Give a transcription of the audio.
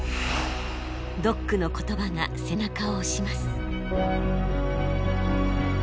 ドックの言葉が背中を押します。